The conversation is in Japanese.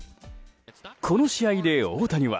この試合で、大谷は。